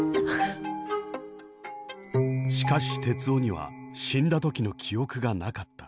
しかし徹生には死んだ時の記憶がなかった。